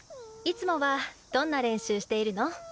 いつもはどんな練習しているの？